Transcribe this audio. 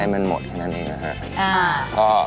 มันหมดแค่นั้นเองนะครับ